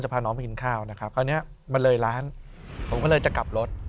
พาน้องไปกินข้าวนะครับคราวนี้มันเลยร้านผมก็เลยจะกลับรถ